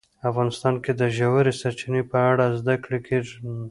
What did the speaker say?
افغانستان کې د ژورې سرچینې په اړه زده کړه کېږي.